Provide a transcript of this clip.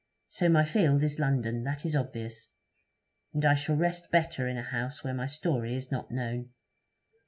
So my field is London. That is obvious. And I shall rest better in a house where my story is not known.'